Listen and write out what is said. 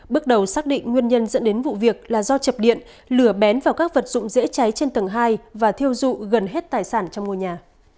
bước đầu xác định nguyên nhân dẫn đến vụ việc là do chập điện lửa bén vào các vật dụng dễ cháy trên tầng hai và thiêu dụ gần hết tài sản trong ngôi nhà